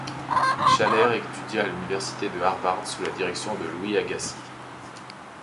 Shaler étudia à l'université Harvard sous la direction de Louis Agassiz.